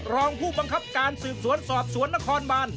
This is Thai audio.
รองผู้บังคับการสืบสวนสอบสวนนครบาน